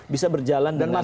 bisa berjalan dengan tepat